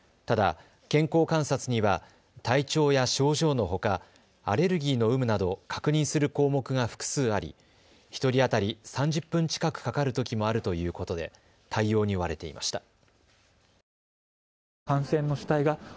ただ健康観察には体調や症状のほかアレルギーの有無など確認する項目が複数あり１人当たり３０分近くかかるときもあるということで対応に追われていました。